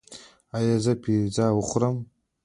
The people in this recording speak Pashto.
ایا زه پیزا وخورم؟